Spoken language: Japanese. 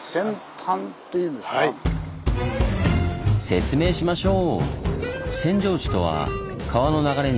説明しましょう！